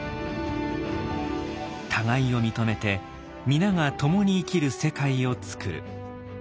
互いを認めて皆が共に生きる世界を作る。